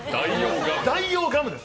代用ガムです。